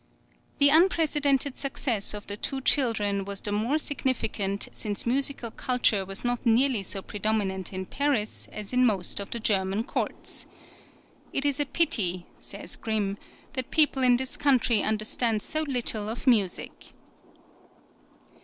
The unprecedented success of the two children was the more significant since musical culture was not nearly so predominant in Paris as in most of the German courts. "It is a pity," says Grimm, "that people in this country understand so little of music."